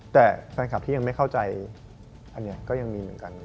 แต่แฟนคลับที่ยังไม่เข้าใจอันนี้ก็ยังมีเหมือนกัน